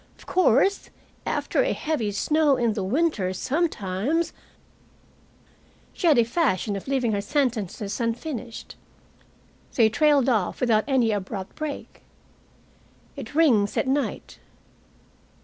Of course, after a heavy snow in the winter, sometimes " She had a fashion of leaving her sentences unfinished. They trailed off, without any abrupt break. "It rings at night."